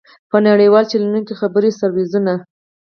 په نړیوالو چېنلونو کې خبري سرویسونه.